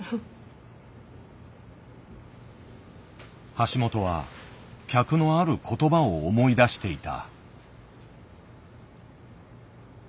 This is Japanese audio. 橋本は客のある言葉を思い出していた。